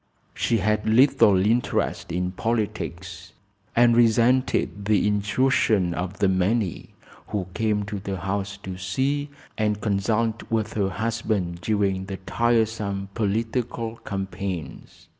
She had little interest in politics and resented the intrusion of the many who came to the house to see and consult with her husband during the tiresome political campaigns.